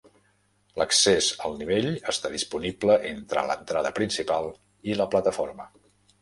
L'accés al nivell està disponible entre l'entrada principal i la plataforma.